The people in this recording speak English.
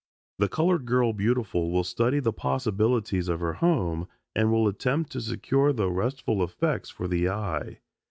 The Colored Girl Beautiful will study the possibilities of her home and will attempt to secure the restful effects for the eye.